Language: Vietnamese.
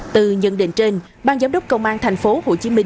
từ nhận định trên bang giám đốc công an tp hcm